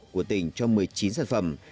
của tỉnh cho một mươi chín sản phẩm